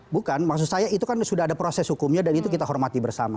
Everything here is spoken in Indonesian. bukan maksud saya itu kan sudah ada proses hukumnya dan itu kita hormati bersama